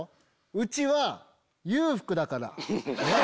うちは裕福だから。